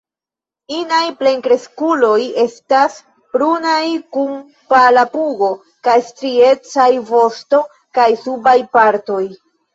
Inaj plenkreskuloj estas brunaj kun pala pugo, kaj striecaj vosto kaj subaj partoj.